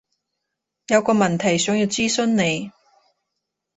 有個問題想要諮詢你